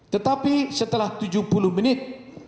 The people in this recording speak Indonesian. tetapi setelah tujuh puluh menit